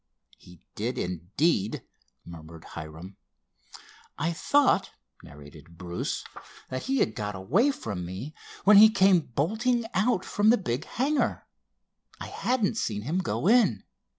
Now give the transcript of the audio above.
"He did, indeed!" murmured Hiram. "I thought," narrated Bruce, "that he had got away from me, when he came bolting out from the big hangar. I hadn't seen him go in.